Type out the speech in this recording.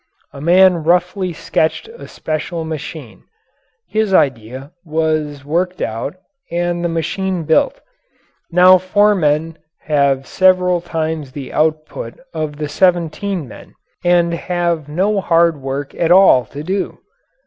A man roughly sketched a special machine. His idea was worked out and the machine built. Now four men have several times the output of the seventeen men and have no hard work at all to do.